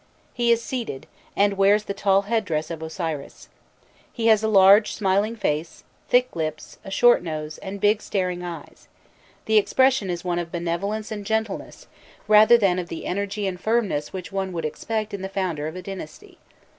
He is seated, and wears the tall head dress of Osiris. He has a large smiling face, thick lips, a short nose, and big staring eyes: the expression is one of benevolence and gentleness, rather than of the energy and firmness which one would expect in the founder of a dynasty.